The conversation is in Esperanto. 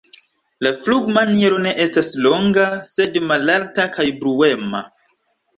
La flugmaniero ne estas longa, sed malalta kaj bruema.